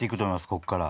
こっから。